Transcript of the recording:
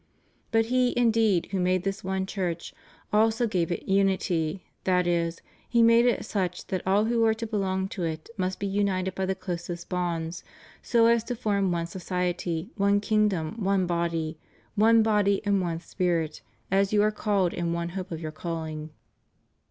"^ But He, indeed, who made this one Church, also gave it unity, that is. He made it such that all who are to belong to it must be united by the closest bonds, so as to form one society, one kingdom, one body — one body and one spirit, as you are called in one hope of your calling.